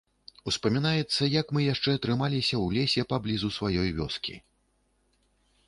Успамінаецца, як мы яшчэ трымаліся ў лесе поблізу сваёй вёскі.